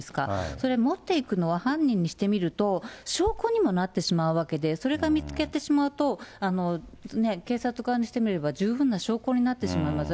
それ持っていくのは犯人にしてみると、証拠にもなってしまうわけで、それが見つかってしまうと、警察側にしてみれば、十分な証拠になってしまいます。